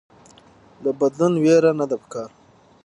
له بدلون ويره نده پکار